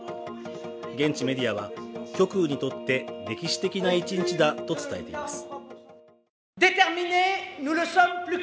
現地メディアは、極右にとって歴史的な一日だと伝えています。